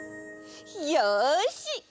よし！